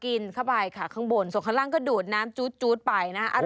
กินเข้าไปค่ะข้างบนส่วนข้างล่างก็ดูดน้ำจู๊ดไปนะฮะอร่อย